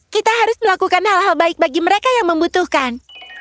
kita harus melakukan hal hal baik bagi mereka yang membutuhkan